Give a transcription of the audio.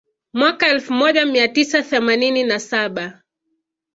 Mwaka elfu moja mia tisa themanini na saba